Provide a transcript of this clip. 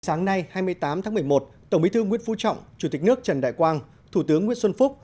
sáng nay hai mươi tám tháng một mươi một tổng bí thư nguyễn phú trọng chủ tịch nước trần đại quang thủ tướng nguyễn xuân phúc